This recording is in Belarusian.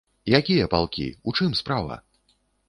Якія палкі, у чым справа?